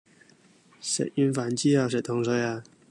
食完飯之後食糖水吖